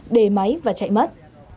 đề máy và chạy mất